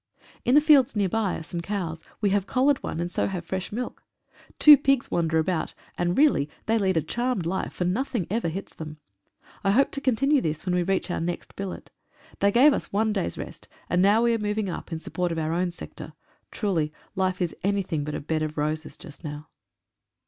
In the fields near by are some cows. We have collared one, and so have fresh milk. Two pigs wander about, and really they lead a charmed life, for nothing ever hits them. I hope to continue this when we reach our next billet. They gave us one day's rest, and now we are moving up in support of our own sector. Truly life is anything but a bed of roses just now.